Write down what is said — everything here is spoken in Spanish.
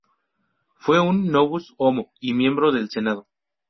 Fue un "novus homo" y miembro del Senado.